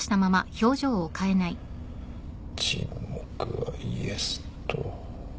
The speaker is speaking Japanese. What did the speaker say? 沈黙はイエスと。